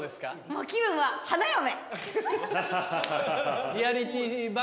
もう気分は花嫁。